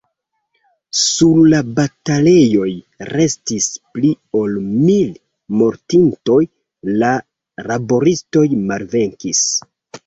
Sur la batalejoj restis pli ol mil mortintoj; la laboristoj malvenkis.